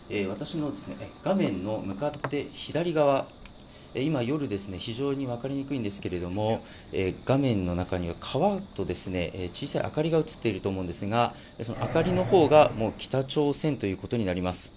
画面の向かって左側、今、夜で非常に分かりにくいんですけれども、画面の中には川と、小さい明かりが映っていると思うんですがその明かりの方が北朝鮮ということになります。